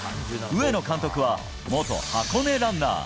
上野監督は元箱根ランナー。